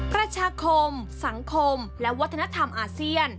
ประชาคมสังคมและวัฒนธรรมอาเซียน